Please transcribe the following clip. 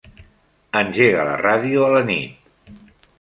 Engega la ràdio a la nit.